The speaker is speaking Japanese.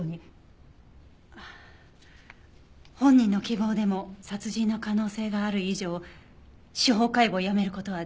本人の希望でも殺人の可能性がある以上司法解剖をやめる事はできません。